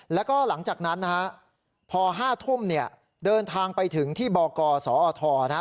แล้วก็หลังจากนั้นนะฮะพอ๕ทุ่มเนี่ยเดินทางไปถึงที่บกสอทนะฮะ